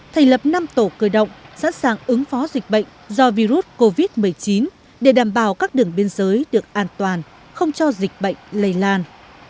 thành lập năm tổ cơ động sẵn sàng ứng phó dịch bệnh do virus covid một mươi chín để đảm bảo các đường biên giới được an toàn không cho dịch bệnh lây lan